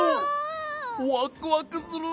ワックワクする。